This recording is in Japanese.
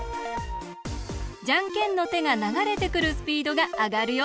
じゃんけんのてがながれてくるスピードがあがるよ。